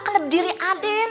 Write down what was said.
kena diri aden